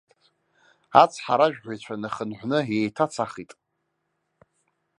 Ацҳаражәҳәаҩцәа нахынҳәны еиҭацахит.